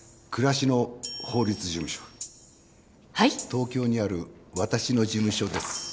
東京にある私の事務所です。